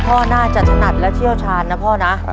พ่อน่าจะถนัดและเชี่ยวชาญนะพ่อนะ